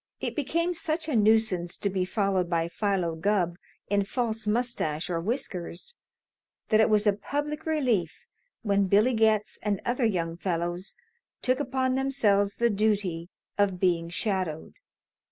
It became such a nuisance to be followed by Philo Gubb in false mustache or whiskers, that it was a public relief when Billy Getz and other young fellows took upon themselves the duty of being shadowed.